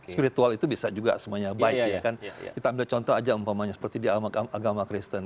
spiritual itu bisa juga semuanya baik ya kan kita ambil contoh aja umpamanya seperti di agama kristen